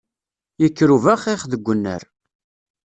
Yekker ubaxix deg unnar!